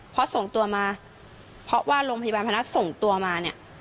พอส่งตัวมาเพราะว่าโรงพยาบาลพนักส่งตัวมาเนี่ย